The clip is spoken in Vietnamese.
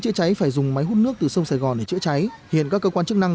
chữa cháy phải dùng máy hút nước từ sông sài gòn để chữa cháy hiện các cơ quan chức năng